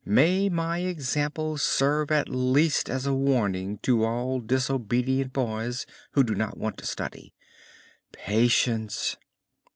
"May my example serve at least as a warning to all disobedient boys who do not want to study. Patience!"